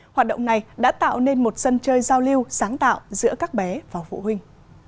hoạt động này đã tạo nên một sân chơi giao lưu sáng tạo giữa các bé và phụ huynh